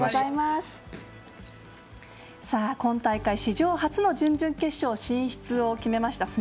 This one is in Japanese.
今大会史上初の準々決勝進出を決めました